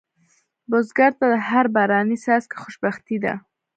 بزګر ته هر باراني څاڅکی خوشبختي ده